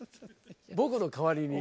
僕の代わりに。